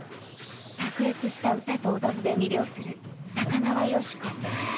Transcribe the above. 卓越した歌と踊りで魅了する高輪芳子。